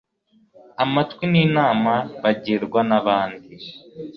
amatwi n'inama bagirwa n'abandi